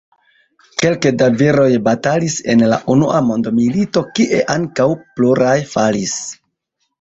Kelke da viroj batalis en la unua mondmilito, kie ankaŭ pluraj falis.